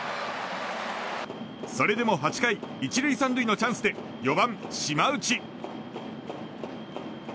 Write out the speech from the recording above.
それでも８回１塁３塁のチャンスで４番、島内。